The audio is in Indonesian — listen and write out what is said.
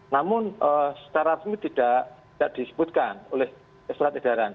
namun secara resmi tidak disebutkan oleh surat edaran